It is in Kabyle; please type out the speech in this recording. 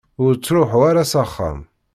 Ur ttruḥu ara s axxam.